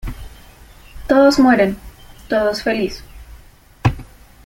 Todos mueren, todo es feliz.